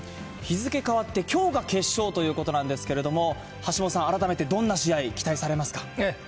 日付変わってきょうが決勝ということなんですけれども、橋下さん、改めてどんな試合を期待されますか。